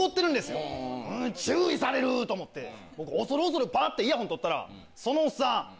注意される！と思って僕恐る恐るパッてイヤホン取ったらそのおっさん。